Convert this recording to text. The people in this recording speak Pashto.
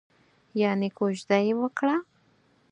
یانې کوژده یې وکړه؟